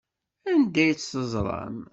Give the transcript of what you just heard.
Anda ay tt-teẓram?